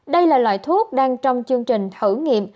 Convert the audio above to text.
đây là loại thuốc đang trong chương trình thử nghiệm